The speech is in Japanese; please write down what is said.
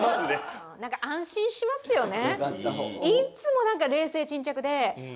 安心しますよね。